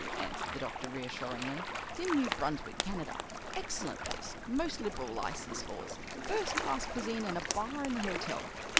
answered the doctor reassuringly. "It's in New Brunswick, Canada; excellent place, most liberal licence laws; first class cuisine and a bar in the hotel.